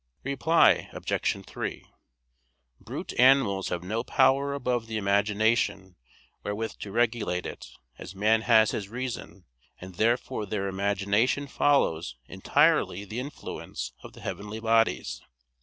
Reply Obj. 3: Brute animals have no power above the imagination wherewith to regulate it, as man has his reason, and therefore their imagination follows entirely the influence of the heavenly bodies.